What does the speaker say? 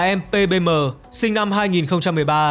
em pbm sinh năm hai nghìn một mươi ba